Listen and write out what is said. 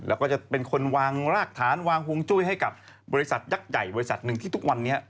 แล้วก็จะเป็นคนวางรากฐานวางฮวงจุ้ยให้กับบริษัทยักษ์ใหญ่บริษัทหนึ่งที่ทุกวันนี้